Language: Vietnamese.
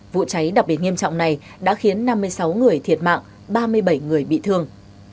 vụ cháy đặc biệt nghiêm trọng này đã khiến năm mươi sáu người thiệt mạng ba mươi bảy người bị thương